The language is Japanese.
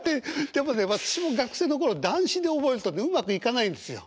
でもね私も学生の頃談志で覚えるとねうまくいかないんですよ。